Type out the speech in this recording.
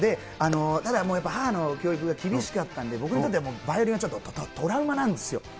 ただもうやっぱり母の教育が厳しかったんで、僕にとってはバイオリンはちょっとトラウマなんです